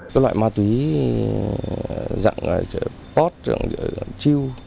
các loại ma túy dạng pot dạng chiêu